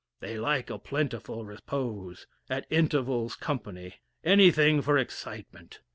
They like a plentiful repose, at intervals company; anything for excitement.